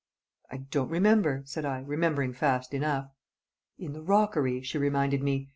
"I don't remember," said I, remembering fast enough. "In the rockery," she reminded me.